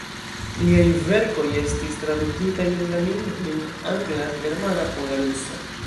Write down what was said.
Liaj verkoj estis tradukitaj en la lingvojn angla, germana, pola, rusa.